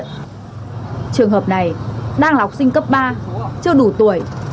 trường hợp này đang là học sinh cấp ba chưa đủ tuổi